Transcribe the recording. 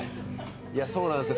いや、そうなんですよ。